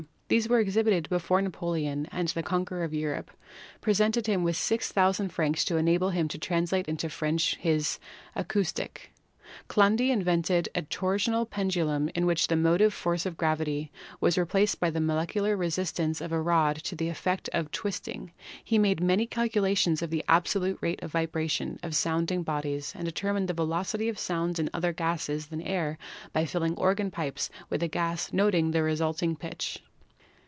These were exhibited before Napoleon, and the conqueror of Europe presented him with 6,000 francs to enable him to translate into French his Akustik. Chladni invented a torsional pendulum in which the motive force of gravity was replaced by the molecular resistance of a rod to the effect of twisting; he made many calculations of the abso lute rate of vibration of sounding bodies and determined the velocity of sound in other gases than air by filling organ pipes with the gas and noting the resulting pitch.